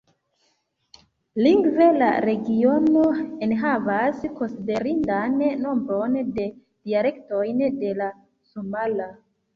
Lingve, la regiono enhavas konsiderindan nombron de dialektojn de la somala.